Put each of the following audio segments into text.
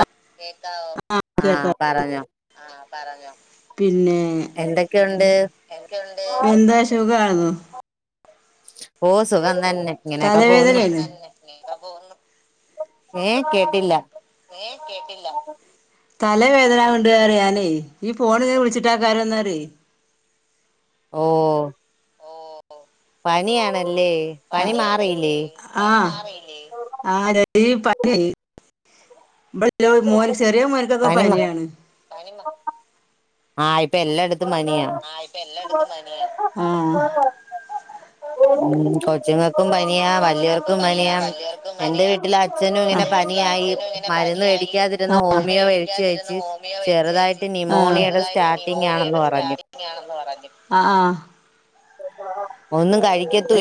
ആ കേൾക്കാവോ ആഹ് കേൾക്കാം പറഞ്ഞോ പിന്നേ എന്തൊക്കെണ്ട് എന്താ ഷുഖാന്നു. ഓ സുഖം തന്നെ ഇങ്ങനെയൊക്കെ പോകുന്നു. ഏഹ് കേട്ടില്ല. ഏഹ് കേട്ടില്ല തല വേദനാവ്ണ്ട് പറയ ഞാനെയ് ഈ ഫോണ് ഇങ്ങനെ വിള്ച്ചിട്ടാക്കാരം ന്നറിയെ. ഓഹ് പനിയാണ്. പണിയാണല്ലേ ആഹ് മാറിയില്ലേ ആഹ് രക് [unintelligible] [unintelligible] മോ ചെറിയ മോൻക്കൊക്കെ പനിയാണ്. ആ ഇപ്പൊ എല്ലായിട് ആ ഇപ്പൊ എല്ലായിട്ത്തും പനിയാണ് ഉ കൊച്ചുങ്ങക്കും പനിയാ വല്യോൽക്കും പനിയാ എന്റെ വീട്ടില് അച്ഛനും ഇങ്ങനെ പ വീട്ടിലച്ചനും ഇങ്ങനെ പനിയായി മേടിക്കാതിതിരുന്നു ഹോമിയോ മേടിച്ചു കഴിച്ചു ആ ഇതായിട്ടെ നിമോണിയയുടെ സ്റ്റാനിങ് ആണെന്ന് പറഞ്ഞു അ ആ [unintelligible]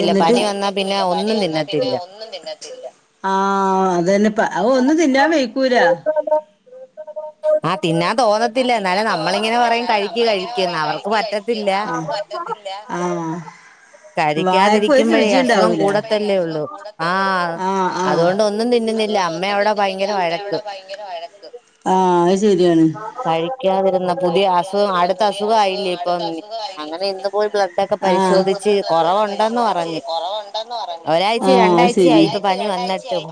എന്നിട്ടെ കഴിക്കാത്തുല്ല പനി വന്നാ പിന്നെ ഒന്നും തിന്നത്തുല്ല ആ അതന്നെ പ അവു ഒന്നും തിന്നാൻ വെയ്ക്കൂല [unintelligible] [unintelligible] തിന്നാന്തോന്നത്തില്ല ന്നാലും നമ്മളിങ്ങനെ പറയും കഴിക് കഴിക്ന്നെ അവർക്ക് പറ്റത്തില്ലാ ആഹ് കഴിക്കാതിരിക്കുമ്പഴേ അസുഖം കൂടത്തല്ലേ ഉള്ളൂ ആ അതുകൊണ്ടൊന്നും തിന്നത്തി അതുകൊണ്ട് ഒന്നും തിന്നുന്നില്ല അമ്മ അവിടെ ഭയങ്കര വഴക് ആ അയിശരി കഴിക്കാതിരുന്നാ പുതിയ അസുഖം അടുത്ത അസുഖായില്ലേ ഇപ്പം അങ്ങനെ ഇന്ന് പോയി ബ്ലഡോക്കെ ക്കെ പരി പരിശോധിച്ച് കുറവൊണ്ടെന്ന് പറഞ്ഞു ഒരാഴ്ച രണ്ടാഴ്ചയായി പനി വന്നിട്ട് ലൊ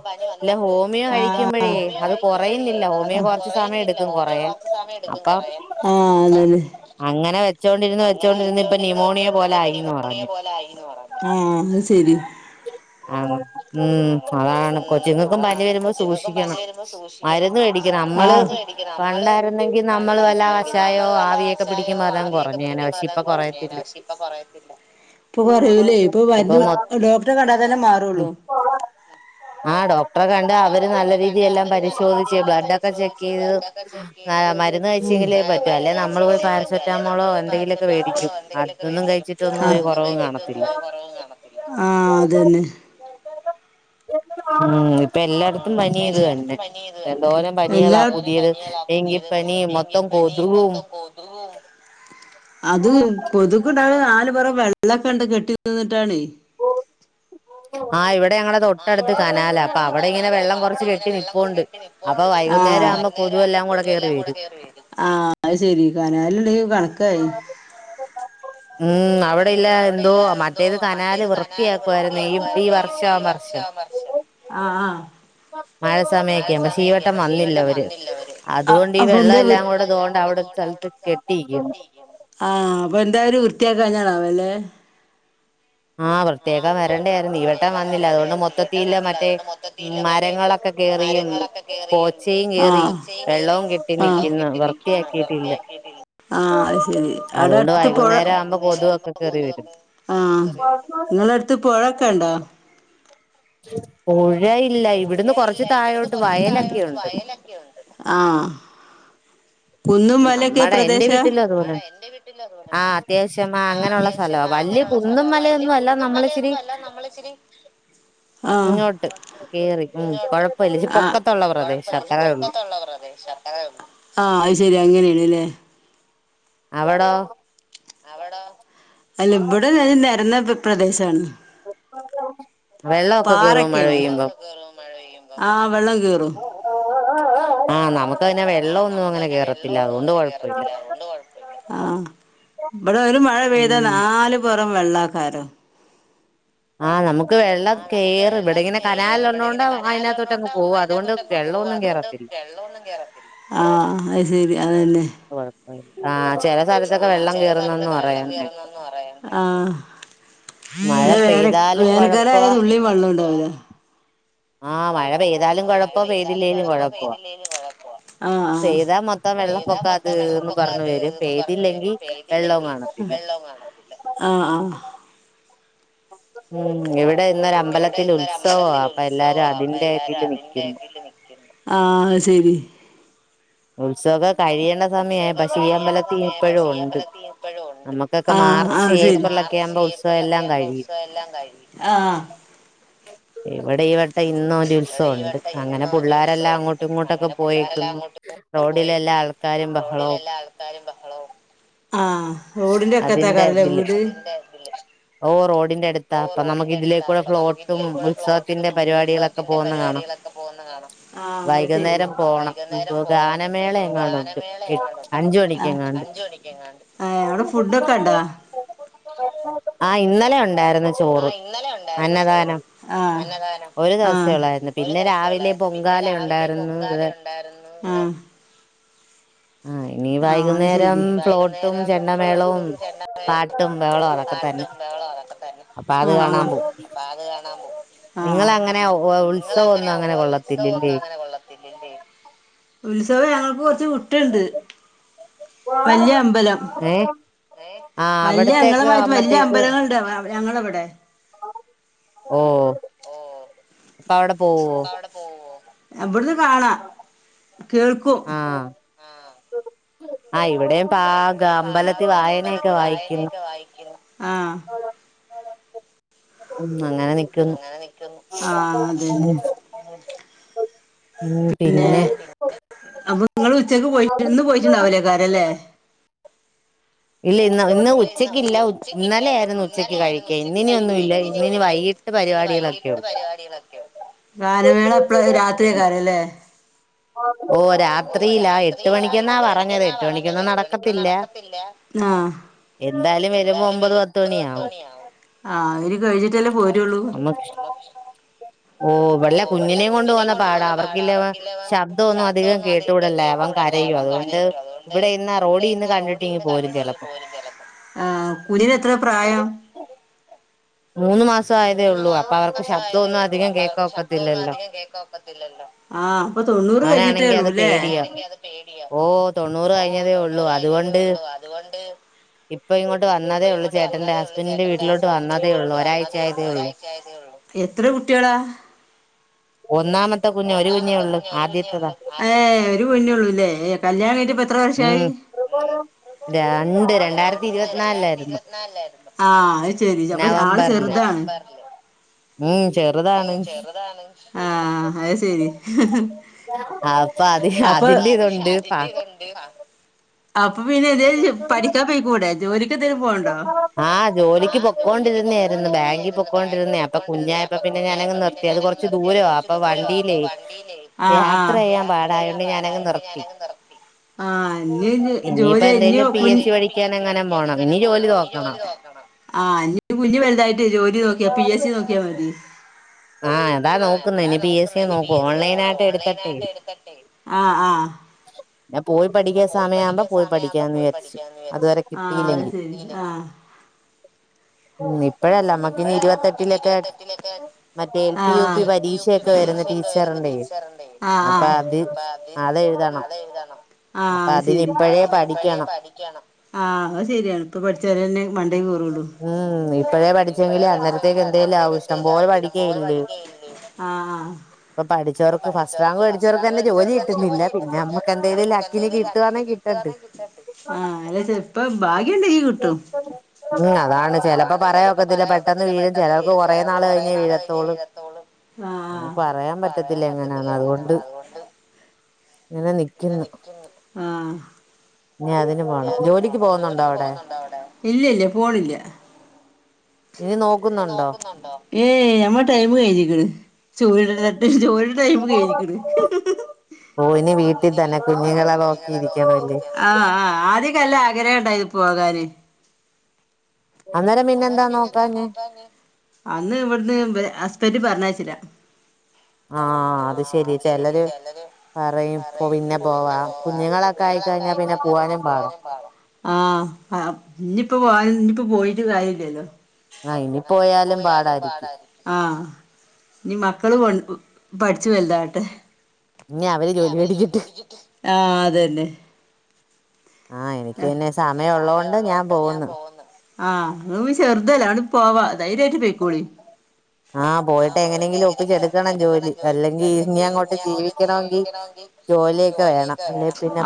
ല്ല ഹോമിയോ കഴിക്കുമ്പോഴേ അത് കൊറയുന്നില്ല ഹോമിയോ കൊറച്ച് സമയം എടുക്കും കൊ റയാൻ സമയമെടുക്കും കുറയാൻ ആ അതല്ലെ അങ്ങനെ വെച്ചോണ്ടിരുന്നെ വെച്ചോണ്ടിരുന്നെ ഇപ്പം നി മോണിയ പോലെ ആയീന്നു പറഞ്ഞു ആ അതു ശരി [unintelligible] ആ ഉം അതാണ് കൊച്ചുങ്ങക്കും പനി വരുന്നതെ സൂക്ഷിക്കണം മരുന്നെ മേടിക്കണം നമ്മള് പണ്ടായിരുന്നെങ്കിൽ നമ്മള് വല്ല കഷായോ ആവിയൊക്കെ പിടിക്കുമ്പോ അതങ്ങെ കൊറേം പിടിക്കുംമ്പം അതങ്ങു കൊറഞ്ഞേനേം പഷ്ഷേ ഇപ്പ കൊറയത്തില്ല പ്പ വറിയുലെ പ്പൊ മര്ന്ന് ഡോക്ട ആ ഡോക്ടറെ കാണി ദാ അവര് നല്ല രീതിെയെല്ലാം പരിശോധിച്ച് ബ്ലഡോക്കെ ചെക്കു ചെയ്തു മരുന്ന് കഴിച്ചെങ്കിലെ പറ്റും അല്ലെ നമ്മള് പോയി പാരസെറ്റാമോളോ എന്തെങ്കിലുക്കെ വേടിക്കും അതൊന്നും കഴിച്ചിട്ടൊന്നും ഒരു കൊറവും കാണത്തില്ല അയി കൊറവും കാണത്തില്ല ആ അതന്നെ എത്ത പ്പോം ഇപ്പ എല്ലായിടത്തും പനി ഇത് തന്നെ എന്തോരം പനികളാ പുതിയത് ഡെങ്കിപ്പനി ഡെങ്കിപ്പനി മൊത്തം കൊതുകും അത് കൊതുകുണ്ട് ടാൻ നാലു പുറം വെള്ളേകൊണ്ട് കെട്ടി നിന്നിട്ടാണ് ആ ഇവട് ഇവിടെ ഞങ്ങളെ തൊട്ടടുത്ത് കനാലാ അപ്പൊ അവിടെ ഇങ്ങന വെള്ളം കുറച്ചെ കെട്ടി നിപ്പോണ്ട് അപ്പൊ വൈകുന്നേരം ആവുമ്പം കൊതു [unintelligible] കൊതുകെല്ലാം കൂടി കേറിവരും ആ അഹ് ശെരി കനാലില്ലെങ്കിൽ കണക്കായി ഉം അവിടെ ഇല്ല എന്തോ മറ്റേത് കനാല് വൃത്തിയാക്കുവാരുന്നു വൃത്തിയാക്കുവാരുന്നു ഈ വർഷമ്മാ വർഷേ ആ ആ മഴ സമയമൊക്കെയാ പക്ഷെ ഈവട്ടം വന്നില്ലവരെ അതുകൊണ്ട് ഈ വെള്ളെല്ലാം കൂടെ തോണ്ടെ അവി ഇടെ സ്ഥലത്ത് കെട്ടിക്കുന്നു ആ അപ്പ എന്തായാലും വൃത്തിയാക്കഞ്ഞാളാവല്ലേ ആ പ്രത്യേക വരണ്ടെ ഈ വട്ടം വന്നില്ല അതുകൊണ്ട് മൊത്തത്തി ഇല്ല മറ്റേ മരങ്ങളൊക്കെ കേറി കേറിയും പോച്ചേ കേറി വെള്ളവും കെട്ടിനിയ്ക്കുന്ന വൃത്തിയാക്കിട്ടില്ല അതുകൊണ്ടെ വൈകുന്നേരം ആവുമ്പോ കൊതുവൊക്കെ കേറി വരും നിങ്ങളടുത്ത് പൊഴേക്കൊണ്ടോ ഓയ്‌ ഏയ്‌ ഇല്ല ഇവിടുന്നെ കൊറച്ചെ താഴോട്ട് വയലൊക്കെയുണ്ട് ഉം നമ്മടെ എന്റെ വീട്ടിലുംഅതു പോലെതന്നെ ആ അത്യാവശ്യം റ്റ മ അങ്ങനുള്ള സ്ഥലാ വലിയ കുന്നും മലയൊന്നും അല്ല നമ്മളി ച്ചിരി ഇങ്ങോട്ട് കേറി ഉം കൊഴപ്പല്ല ച് പൊക്കത്തുള്ള പ്രദേശം അത്രേ ഉള്ളു ആ അയിശരി അങ്ങനില്ലല്ലേ അവിടോ അല്ല ഇവിടെ നെരന്ന പ്രദേശാണ് പാറൊക്കെയാണ് ആഹ് വെള്ളം കേറും ആഹ് നമുക്ക്തിനെ വ നമുക്ക് വെള്ളഒന്നും അങ്ങനെ കേറത്തില്ല അതുകൊണ്ട് കൊഴപ്പില്ല ഇവിടെ ഒരു മഴ പെയ്താ നാാലുപറം വെള്ളക്കാരോ ആഹ് നമുക്ക് നക്ക് വെം കേറും ഇവിടെ ഇങ്ങനെ കനാലിൽന്നുക കൊണ്ട് അതിനകത്തൊട്ട് അങ്ങ് പോകും അതുകൊണ്ട് വെള്ളമ ഒന്നും കേറത്തില്ല വെള്ള ആ അത് ശരി ആ ആഹ് ചില സ്ഥലത്തൊക്കെ വെള്ളം കീറുന്നന്ന് പറയാം പി വേന വേനക്കാലയ ഉുള്ളിയും വെള്ളം ഉണ്ടാവില്ല ആഹ് മഴ പെയ്യ ആഹ് മഴ പെയ്താലും കുഴപ്പ പെയ്തില്ലെലും കുഴപ്പ പെയ്താ മൊത്തം വെള്ളം പ്പൊക്കെ അത്ന്ന് പറഞ്ഞു വരും പേതില്ലെങ്കിൽ വെള്ളവും കാണില്ല ആഹ് ഉം ഇവിടെ ഇന്നൊരു അമ്പലത്തിൽ ഉത്സവം അപ്പൊ എല്ലാരും അതിന്റെ ഇതിൽ നക്കുന്നു ആഹ ശരി ഉത്സവക്ക കഴിയേണ്ട സമയ പക്ഷ അമ്പലത്തിീ ഇപ്പഴും ഉണ്ട് മാർച്ച് ഏപ്രില ഒക്കെ ആുമ്പോ ഉത്സവം എല്ലാം കഴിഞ്ഞി [unintelligible] ഇവിടെ ഇവിടെ ഇന്നൊ ഒരു ഉത്സവംുണ്ട് അങ്ങനെ പിള്ളരെല്ലാം അങ്ങോട്ടും ഇങ്ങോട്ടൊക്കെ പോയേക്കുന്നു പോയേക്കുന്നു റോഡിലെല്ലാ ആൾക്കാരും ബഹളവും ആഹ റോടിിന്റെ ഒക്കെ എത്താ കറല്ലേ വീട് ഓ റോഡിന്റെ അടുത്താ അപ്പൊ നമുക്ക് ഇതിലേക്കൂടെ പ്ലോട്ടും ഉത്സവത്തിന്റെ പരിപാടികളൊക്കെ പോകുന്ന കാണാം ആ അ ശരി വൈകുന്നേരം പോണം ഇപ്പൊ ഗാനമേള എങ്ങുണ്ട് അഞ്ചു മണിക്കക്ക്ങ്ങണ്ട് ആ ഇന്നലെ ആ ഇന്നലെ ഉണ്ടായിരുന്നു ചോറ് അന്നാനം ഒരു ദിവസുള്ള പിന്നെ രാവിലെ പൊങ്കാല ഉണ്ടായിരുന്നു ആ ഇനി വൈകുന്നേരം ഫ്ലോട്ട് നേരം ഫ്ലോട്ടും പാട്ടും വെളവും അതൊക്കെ തന്നെ അപ്പൊ അത് കാണാൻ പോ ആ നിങ്ങ അങ്ങനെ ഉത്സവം ഒന്നും അങ്ങനെ കൊള്ളത്തില്ലല്ലേ ഉത്സവം ഞങ്ങൾക്ക് കുറച്ച് ഏ വലിയ ഞങ്ങളമായിട്ട് വല്യ അമ്പലങ്ങളുണ്ട് ഞങ്ങള എവിടെ ആഹ എവിടന്ന് കാണാം കേൾക്കും ആ ഇവിടെയും പാ അമ്പലത്തി വായനൊക്കെ വായിക്കണം ഉ അങ്ങനെ നിക്കുന്നു ഉ പിന്നെ അപ്പൊ നിങ്ങള്ൾ ഉച്ചക്ക് പോയി ഇന്ന് പോയിട്ടുണ്ടാവലേക്കാരല്ലേ ഇല്ല ഇന്ന് ഇന്ന് ഉച്ചക്ക് ഇല്ല ഇന്നലെ ആായിരുന്നു ഉച്ചക്ക് കഴിക്കാ ഇന്നിനി ഒന്നും ഇല്ല ഇന്നിനി വൈകിട്ട് ക പരിപാടിക ഗാനമേള എപ്പഴ രാത്രിയക്കാലല്ലേ ഓ രാത്രിയില എട്ട് മണിക്കെന്നാ പറഞ്ഞത് എട്ട് മണിക്കൊന്നും നടക്കത്തില്ല ആഹ എന്തായാലും വരുമ്പം പത്ത് മണി ആവും ആ അവര് കഴിച്ചിട്ടല്ലേ പോരുള്ളൂ ഓഹ് വെല്ല കുഞ്ഞിനെയും കൊണ്ട് വന്ന പാട അവർക്കില്ലവ ശബ്ദം ഒന്നും അധികം കേട്ടൂടല്ല അവൻ കരയും അതുകൊണ്ട് ഇവിടെ ഇന്ന് റോഡിൽ ഇന്ന് കണ്ടിട്ടങ്ങ് പോരും ഇങ്ങ് പോരും ചെലപ്പം ആ കുഞ്ഞിന് എത്രെ പ്രായം,? മൂന്ന് മാസംയായതേ ഒള്ളൂ അപ്പൊ അവർക്ക് ശബ്തോന്നും അധികം കേക്കാ ഒക്കത്തില്ലല്ലോ അവനാണെങ്കി അത് പേടിയാ ഓഹ് തൊണ്ണൂറ് കഴിഞ്ഞതേ ഒള്ളൂ അതുകൊണ്ട- ഒള്ളൂ അതുകൊണ്ട്- ഇപ്പ ഇങ്ങോട്ട് വന്നതേ ഒള്ളു ചേട്ടന്റെ ഹസ്ബൻറിന്റെ വീട്ടിലോട്ട് വന്നതേ- വന്നതേയുള്ളു ഒരാഴ്ചയതേയുള്ളൂ എത്ര കുട്ടികളാ ഒന്നാമത്തെ കുഞ്ഞ് ഒരുകുഞ്ഞേയുള്ളു ഏ ഒരു കുഞ്ഞേയുള്ളൂയില്ലേ കല്യാണ- കഴിഞ്ഞിട്ട് ഇപ്പൊ ഏത്ര വർഷായി രണ്ട് രണ്ടായിരത്തി ഇരുപത്തിനാലിലായിരുന്നു ആഹ് അത് ശെരി പ്പൊ ആള് ചെറ്താണ് ആഹ് ചെറുതാണ് ആ അത് ശരി ഹ് ഹ് അപ്പൊ അ പക്ഷെ അതിന്റെ ഇതുണ്ട്- അപ്പൊ പിന്നെ എന്തെങ്കിലും പഠിക്കാൻ പോയ്കൂടെ ആ ജോലിക്ക് പൊക്കോണ്ടിരുന്നെയിരുന്നു ബാങ്കിൽ പോക്കോണ്ടിരുന്ന അപ്പൊ കുഞ്ഞായപ്പ പിന്നെ - ന്നെ ഞാനങ് നിർത്തി അത് കൊറ്ച്ച് ദൂരവാ അപ്പൊ വണ്ടിയിലേ യാത്രയ്യാൻ പാടായോണ്ട് ഞാനാ നിർത്തി ഇനിയിപ്പ എന്തായലും പി എസ് സി പഠിക്കാനങ്ങാനും പോണം ആഹ് ഇനി ജോലി നോക്കണം ഇഞ്പ്പ കുഞ്ഞ് വലുതായിട്ട് ജോലി നോക്കിയാ പി എസ് സി നോക്കിയാ മതി ആഹ് അതാ നോക്കുന്നെ ഇനി പി എസ് സി നോക്കു ഓൺലൈനായിട്ട് എട്ത്തിട്ടെ ആഹ് ആഹ് ആഹ് ഞാൻ പോയി പഠിക്കാ സമയവുമ്പോ പോയി പഠിക്കാന്ന് വിചാരിച്ചു അതുവരെ കിട്ടിയില്ലെങ്കിൽ [inaudible] ഉം ഇപ്പോഴല്ല നമ്മക് ഇനി ഇരുപത്തെട്ടിലൊക്കെ- ആഹ് ഏൽ പി യൂപി പരീക്ഷൊക്കെ വരുന്ന ടീച്ചറിന്റെ ആഹ് ആഹ് അപ്പ അത്- അതെ എഴുതണം അപ്പൊ അതിന് ഇപ്പോഴേ പഠിക്കണം ഇപ്പൊ പഠിച്ചാലന്നെ മണ്ടേ കെറൊള്ളൂ ഇപ്പഴേ പഠിച്ചെങ്കിലെ അന്നത്തേക്ക് എന്തേങ്കിലാവു ഇഷ്ടംപോല പഠി- [unintelligible] ആഹ് ഇപ്പ പഠിച്ചവർക്ക് ഫസ്റ്റ്റാങ്ക് വേടിച്ചവർക്ക് തന്നെ ജോലി കിട്ട്ന്നില്ല പിന്നെ നമ്മുക്ക് എന്തങ്കിലും ലക്കിന് കിട്ടാണെങ്കി ആ അല്ല ഇപ്പ ഭാഗ്യുണ്ടെങ്കി കിട്ടും പറയാ ഒക്കെത്തില്ല പെട്ടന്ന് വീഴും ചെലർക്ക് കുറേ നാള് കഴിഞ്ഞെ വീഴ ത്തോള് പറയാം പറ്റത്തില്ല എങ്ങനാന്ന് അതുകൊണ്ട് ങ്ങെനെ നിക്ക്ന്ന് ആ ഞ് അതിന് പോണം ജോലിക്ക് പോകുന്നുണ്ടോ അവിടെ ഇല്ല്യ ഇല്ല്യ പോണില്ല ന്നെ നോക്കുന്നുണ്ടോ [unintelligible] ജോലിടെ ടൈമ് കഴിഞ്ക്ക്ണ് ഓ ഇനി വീട്ടി തന്നെ കുഞ്ഞുങ്ങളെ നോക്കിയിരിക്കും ആഹ് ആഹ് ആ അതിൻക്കല്ല ആഗ്രഹ ണ്ടായിനി പോകാന് അന്ന് ഇവട്ന്ന് ഹസ്ബന്റ് പറഞ്ഞയ്ച്ചില്ല ആഹ് അത് ശരി ചെലര് പറയും പ്പ പിന്നെ പോവാം കുഞ്ഞുങ്ങളൊക്കായിക്കഴിഞ്ഞാ പിന്നെ പൂവാനും പാടാ ആഹ് അ ഇനിയിപ്പോ ഇനിയിപ്പോ പോയിട്ടും കാര്യല്ലല്ലോ ങാ ഇനി പോയാലും പാടായിരിക്കും ആഹ് നി മക്കള് പട് പഠിച്ച് വലുതാ ആ അത് തന്നെ ആ എനിക്ക് പിന്നെ സമയം ഉള്ളോണ്ട് ഞാൻ പോകുന്നു ആഹ് ഇങ്ങള് പിന്നെ ചെറ്തല്ലേ ആണ്ട് പോവാ ധൈര്യായിട്ട് പോയ്ക്കോളി. ആ പോയിട്ട് എങ്ങനെങ്കിലും ഒപ്പിച്ചെടുക്കണം ജോലി അല്ലെങ്കി ഇനിയങ്ങോട്ട് ജീവിക്കണമെങ്കിൽ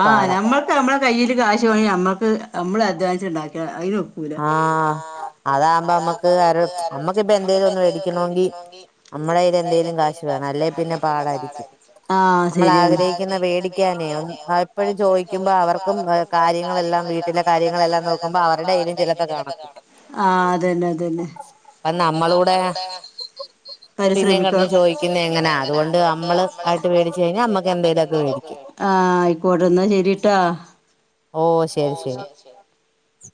ആ ഞമ്മക്ക് ഞമ്മളെ കയ്യിൽ കാശ് നമ്മക്ക് നമ്മള് അധ്വാനിച്ച് ഇണ്ടാക്കിയ ആ അതാവ്മ്പ നമ്മക്ക് ആരോ അമ്മക്ക്പ്പോ എന്തേലും ഒന്ന് വേടിക്കണൊങ്കി നമ്മളെല് എന്തെലും കാശ് വേണം അല്ലേ പിന്നെ പാടായിരിക്കും നമ്മളാഗ്രഹിക്കുന്ന വേടിക്കാനേ ണം ആ ഇപ്പഴും ചോയിക്കുമ്പ അവർക്കും കാര്യങ്ങളെല്ലാം വീട്ടിലെ കാര്യങ്ങളെല്ലാം നോ വീടിന്റെ ഇതൊക്കെ കാണാം ആഹ് അത് തന്നെ അത് തന്നെ അപ്പ നമ്മളുടെ പരിശ്രമിക്കുക ചോദിക്കുന്നെ എങ്ങനാ അതുകൊണ്ട് നമ്മള് ആയിട്ട് മേടിച്ച് കഴിഞ്ഞാൽ നമ്മക്ക് എന്തേലുമൊക്കെ ആ ആയിക്കോട്ട എന്നാ ശെരിട്ടാ ഓ ശെരി ശെരി